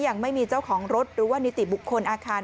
ยังไม่มีเจ้าของรถหรือว่านิติบุคคลอาคาร